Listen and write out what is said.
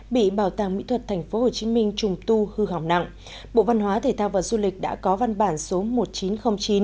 bị bảo tàng mỹ thuật tp hcm trùng tu hư hỏng nặng bộ văn hóa thể thao và du lịch đã có văn bản số một nghìn chín trăm linh chín